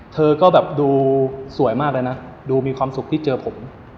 เธอก็แบบดูสวยมากเลยนะดูมีความสุขที่เจอผม